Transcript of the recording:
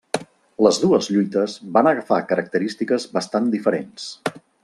Les dues lluites van agafar característiques bastant diferents.